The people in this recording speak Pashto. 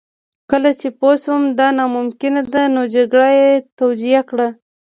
کله چې پوه شو دا ناممکنه ده نو جګړه یې توجیه کړه